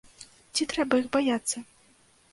Ці трэба іх баяцца?